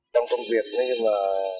trong công việc nói chung là